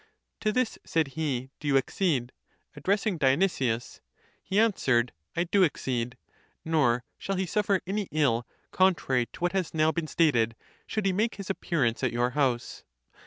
To this, said he, do you accede? addressing Dionysius. He answered, I do accede ; nor shall he suffer any ill, contrary to what has now been stated, should he make his appearance at your house.